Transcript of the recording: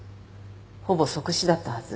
ほぼ即死だったはず。